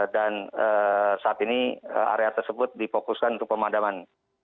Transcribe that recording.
dan saat ini area tersebut dipokuskan untuk pemadaman